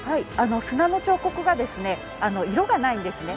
砂の彫刻は色がないんですね。